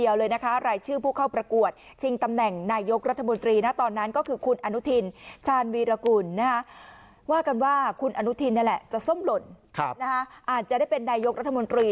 ว่ากันว่าคุณอนุทินเนี่ยแหละจะส้มหล่นอาจจะได้เป็นนายกรัฐมนตรี